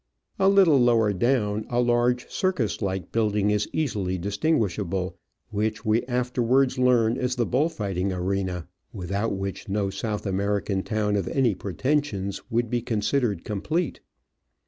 A little lower down a large circus like building is easily distin guishable, which we afterwards learn is the bull fighting arena — without which no South American Digitized by VjOOQIC OF AN Orchid Hunter, 23 town of any pretensions would be considered com plete.